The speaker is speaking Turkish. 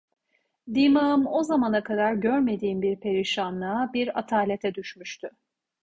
Dimağım o zamana kadar görmediğim bir perişanlığa, bir atalete düşmüştü.